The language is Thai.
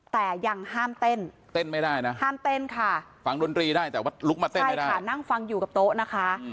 แต่ว่าลุกมาเต้นไม่ได้ใช่ค่ะนั่งฟังอยู่กับโต๊ะนะคะ